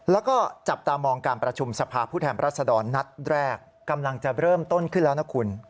แล้วก็จับตามองการประชุมสภาพผู้แทนรัศดรนัดแรกกำลังจะเริ่มต้นขึ้นแล้วนะคุณ